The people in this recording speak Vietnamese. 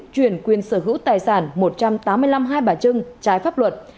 chuyển quyền sở hữu tài sản một trăm tám mươi năm hai bà trưng trái pháp luật